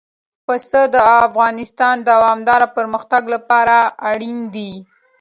پسه د افغانستان د دوامداره پرمختګ لپاره اړین دي.